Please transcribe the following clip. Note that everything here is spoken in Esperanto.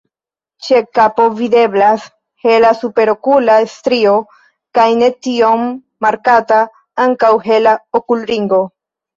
Ĉe kapo videblas hela superokula strio kaj ne tiom markata ankaŭ hela okulringo.